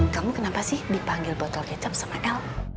kamu kenapa sih dipanggil botol kecap sama l